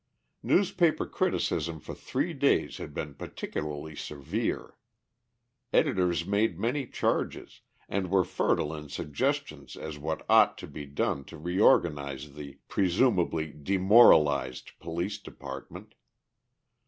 Newspaper criticism for three days had been particularly severe. Editors made many charges, and were fertile in suggestions as what ought to be done to reorganize the presumably "demoralized" police department.